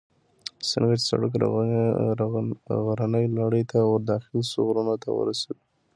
څنګه چې سړک غرنۍ لړۍ ته ور داخل شو، غرونو ته ورسېدو.